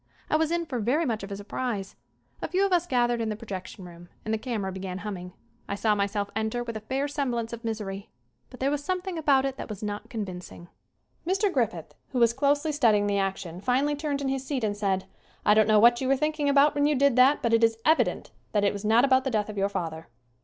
I was in for very much of a surprise. A few of us gathered in the projection room and the camera began humming. I saw myself enter with a fair semblance of misery. But there was something about it that was not con vincing. ."S I SCREEN ACTING 79 Mr. Griffith, who was closely studying the action, finally turned in his seat and said : "I don't know what you were thinking about when you did that, but it is evident that it was not about the death of your father."